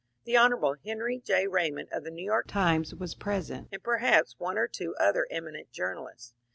The Hon. Henry J. Raymond of the *'*' New York Times " was present, and per haps one or two other eminent journalists.